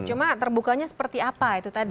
cuma terbukanya seperti apa itu tadi